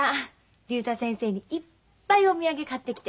竜太先生にいっぱいお土産買ってきて。